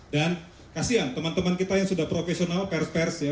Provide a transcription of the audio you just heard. dan kasihan teman teman kita yang sudah profesional pers pers ya